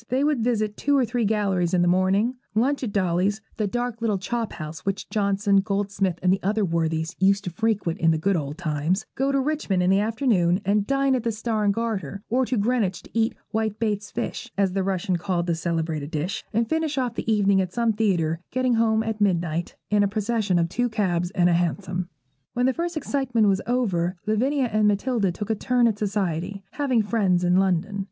They would visit two or three galleries in the morning, lunch at Dolly's (the dark little chop house which Johnson, Goldsmith, and the other worthies used to frequent in the good old times), go to Richmond in the afternoon and dine at the 'Star and Garter,' or to Greenwich and eat 'white baits fish,' as the Russian called that celebrated dish, and finish off the evening at some theatre, getting home at midnight, in a procession of two cabs and a hansom. When the first excitement was over, Lavinia and Matilda took a turn at society, having friends in London.